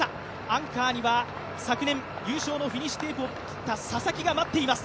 アンカーには昨年優勝のフィニッシュテープを切った佐々木が待っています。